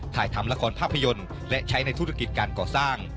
ถ่ายทำละครภาพยนตร์และใช้ในธุรกิจการก่อสร้าง